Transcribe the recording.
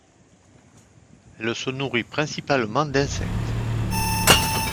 Elle se nourrit principalement d'insectes.